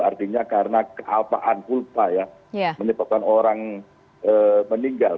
artinya karena keapaan kulta ya menyebabkan orang meninggal